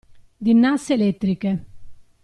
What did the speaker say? Di nasse elettriche.